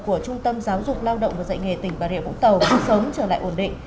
của trung tâm giáo dục lao động và dạy nghề tỉnh bà rịa vũng tàu sống trở lại ổn định